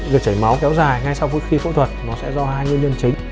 việc chảy máu kéo dài ngay sau khi phẫu thuật nó sẽ do hai nguyên nhân chính